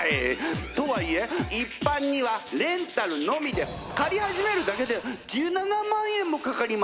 とはいえ一般にはレンタルのみで借り始めるだけで１７万円もかかりました。